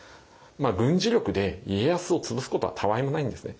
軍事力で家康を潰すことはたわいもないんですね。